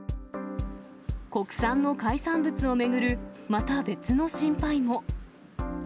国産の海産物を巡る、また別の心配も。